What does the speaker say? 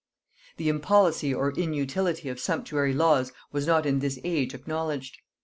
The impolicy or inutility of sumptuary laws was not in this age acknowledged.